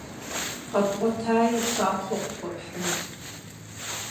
Къэбгъуэтаи щапхъэу къытхуэпхьын!